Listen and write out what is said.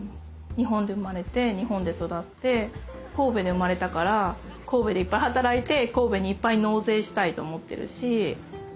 日本で生まれて日本で育って神戸で生まれたから神戸でいっぱい働いて神戸にいっぱい納税したいと思ってるし。